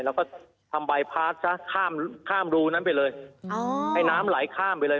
เราก็ทำไปซะข้ามข้ามรูนั้นไปเลยอ๋อให้น้ำไหลข้ามไปเลย